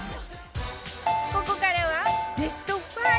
ここからはベスト５